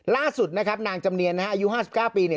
ล่าสุดนะครับนางจำเนียนนะฮะอายุ๕๙ปีเนี่ย